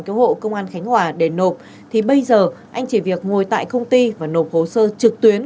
cứu hộ công an khánh hòa để nộp thì bây giờ anh chỉ việc ngồi tại công ty và nộp hồ sơ trực tuyến